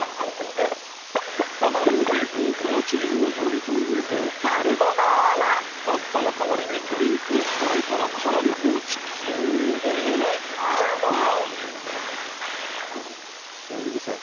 卵・ベーコン・粉チーズの料理といえばカルボナーラパスタの代わりに鶏肉を加えたら「カルボチキン」えー合うの⁉ゆりさん